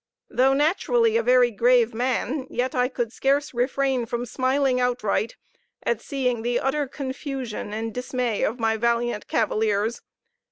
Though naturally a very grave man, yet could I scarce refrain from smiling outright at seeing the utter confusion and dismay of my valiant cavaliers.